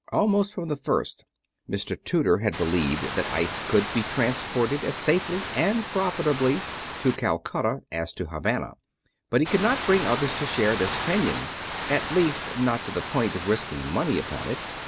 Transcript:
Almost from the first, Mr. Tudor had believed that ice could be transported as safely and profitably to Calcutta as to Havana; but he could not bring others to share this opinion at least, not to the point of risking money upon it.